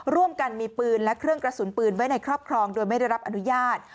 ร่วมกันมีปืนและเครื่องกระสุนปืนไว้ในครอบครองโดยไม่ได้รับอนุญาต